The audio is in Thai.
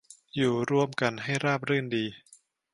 อยู่ร่วมกันให้ราบรื่นดี